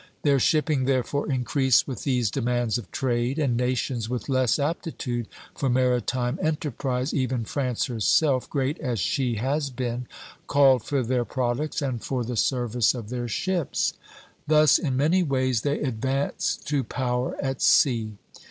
Their shipping therefore increased with these demands of trade, and nations with less aptitude for maritime enterprise, even France herself, great as she has been, called for their products and for the service of their ships. Thus in many ways they advanced to power at sea.